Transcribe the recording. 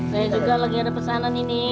saya juga lagi ada pesanan ini